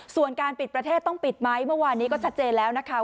ส่วนการปิดประเทศต้องปิดไหมเมื่อวานนี้ก็ชัดเจนแล้วนะคะ